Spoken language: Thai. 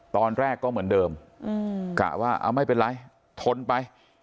ตอนแรกก็เหมือนเดิมกะว่าเอาไม่เป็นไรทนไป